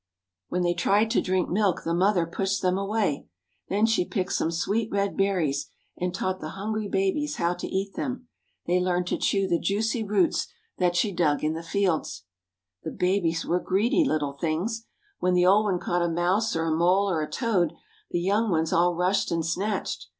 When they tried to drink milk the mother pushed them away. Then she picked some sweet red berries, and taught the hungry babies how to eat them. They learned to chew the juicy roots that she dug in the fields. The babies were greedy little things. When the old one caught a mouse or a mole or a toad, the young ones all rushed and snatched.